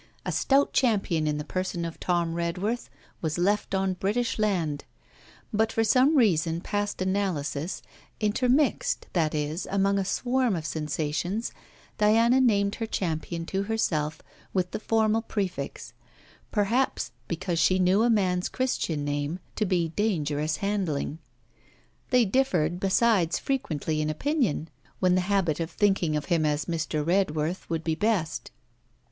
A stout champion in the person of Tom Redworth was left on British land; but for some reason past analysis, intermixed, that is, among a swarm of sensations, Diana named her champion to herself with the formal prefix: perhaps because she knew a man's Christian name to be dangerous handling. They differed besides frequently in opinion, when the habit of thinking of him as Mr. Redworth would be best.